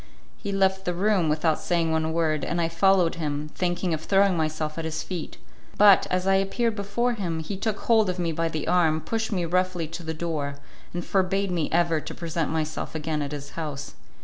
He left the room without saying one word, and I followed him, thinking of throwing myself at his feet; but, as I appeared before him, he took hold of me by the arm, pushed me roughly to the door, and forbade me ever to present myself again at his house.